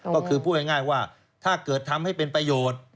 ก็คือพูดง่ายว่าถ้าเกิดทำให้เป็นประโยชน์